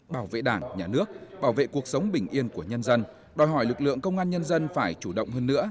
bảo vệ đảng nhà nước bảo vệ cuộc sống bình yên của nhân dân đòi hỏi lực lượng công an nhân dân phải chủ động hơn nữa